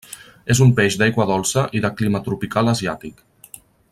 És un peix d'aigua dolça i de clima tropical asiàtic.